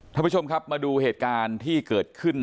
ท่านผู้ชมครับมาดูเหตุการณ์ที่เกิดขึ้น